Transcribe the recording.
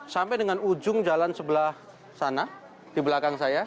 sampai dengan ujung jalan sebelah sana di belakang saya